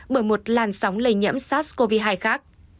bởi một làn sóng lây nhiễm sars cov hai khác